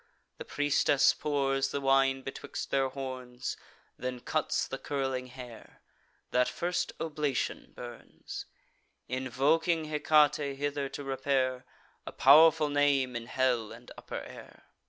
The priestess pours the wine betwixt their horns; Then cuts the curling hair; that first oblation burns, Invoking Hecate hither to repair: A pow'rful name in hell and upper air.